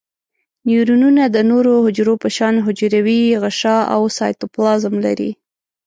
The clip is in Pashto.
نیورونونه د نورو حجرو په شان حجروي غشاء او سایتوپلازم لري.